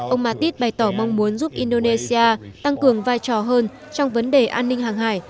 ông mattis bày tỏ mong muốn giúp indonesia tăng cường vai trò hơn trong vấn đề an ninh hàng hải